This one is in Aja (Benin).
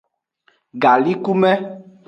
Galikume.